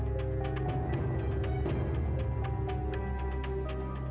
adalah skrg dia selalu memang menangis